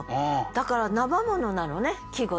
だから生ものなのね季語って。